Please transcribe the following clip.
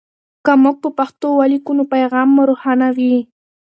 که موږ په پښتو ولیکو نو پیغام مو روښانه وي.